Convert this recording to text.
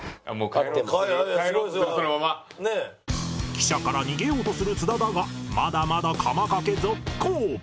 記者から逃げようとする津田だがまだまだカマ掛け続行！